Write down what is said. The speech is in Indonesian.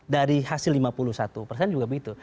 dari hasil lima puluh satu persen juga begitu